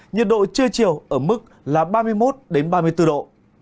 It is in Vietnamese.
nhiệt độ chưa chiều ở mức là ba mươi một đến ba mươi bốn độ